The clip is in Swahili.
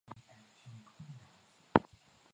mfugaji katika kukabili adui huyu wa haki wa Mazingira